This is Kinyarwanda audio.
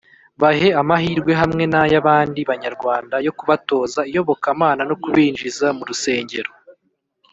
Bahe amahirwe hamwe n’ay’abandi Banyarwanda yo kubatoza iyobokamana no kubinjiza mu rusengero